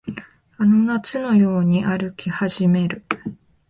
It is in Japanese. あの夏のように歩き始める